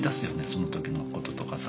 その時のこととかさ。